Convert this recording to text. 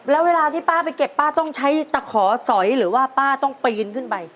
แล้วเวลาที่ป้าไปเก็บป้าต้องใช้ตะขอสอยหรือว่าป้าต้องปีนขึ้นไป